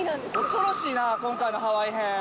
恐ろしいな、今回のハワイ編。